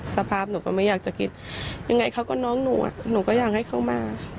สภาพหนูก็ไม่อยากจะคิดยังไงเขาก็น้องหนูอ่ะหนูหนูก็อยากให้เขามา